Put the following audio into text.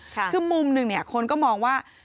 คือมุมหนึ่งเนี่ยคนก็มองว่า